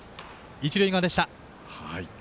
一塁側でした。